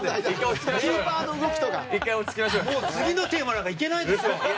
もう次のテーマなんていけないですよ。